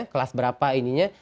kelas berapa ininya